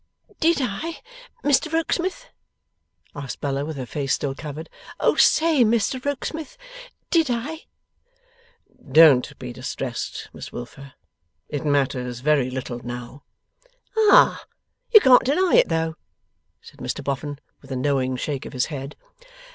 'Did I, Mr Rokesmith?' asked Bella with her face still covered. 'O say, Mr Rokesmith! Did I?' 'Don't be distressed, Miss Wilfer; it matters very little now.' 'Ah! You can't deny it, though!' said Mr Boffin, with a knowing shake of his head.